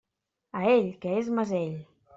A ell, que és mesell!